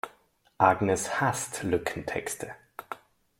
Agnes hasst Lückentexte.